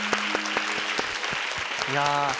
いや。